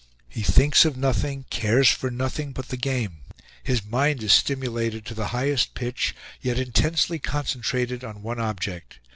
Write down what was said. He thinks of nothing, cares for nothing but the game; his mind is stimulated to the highest pitch, yet intensely concentrated on one object.